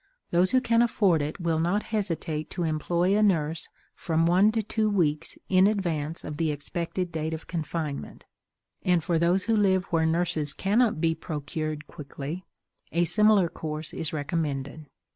Those who can afford it will not hesitate to employ a nurse from one to two weeks in advance of the expected date of confinement; and for those who live where nurses cannot be procured quickly, a similar course is recommended.